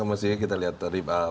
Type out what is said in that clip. maksudnya kita lihat dari pak martin